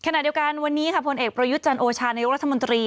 อาการวันนี้ครับพลเอกประยุจจันโอชาณายุรัฐมนตรี